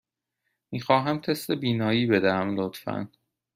می خواهم تست بینایی بدهم، لطفاً.